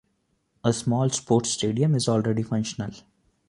A small sports stadium is already functional.